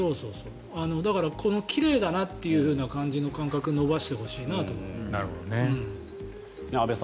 だからこの奇麗だなという感じの感覚を伸ばしてほしいなと思う。